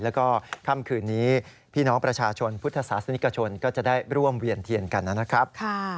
แล้วก็ค่ำคืนนี้พี่น้องประชาชนพุทธศาสนิกชนก็จะได้ร่วมเวียนเทียนกันนะครับ